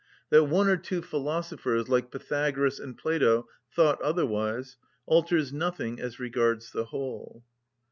That one or two philosophers, like Pythagoras and Plato, thought otherwise alters nothing as regards the whole.